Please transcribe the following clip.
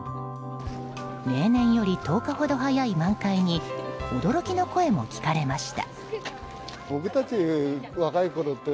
例年より１０日ほど早い満開に驚きの声も聞かれました。